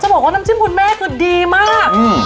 บอกว่าน้ำจิ้มคุณแม่คือดีมาก